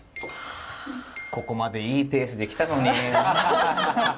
ここまでいいペースで来たのに。